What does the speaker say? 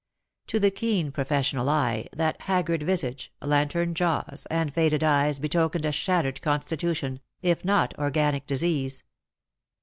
To the keen professional eye that haggard visage, lantern jaws, and faded eyes betokened a shattered constitution, if not organic disease.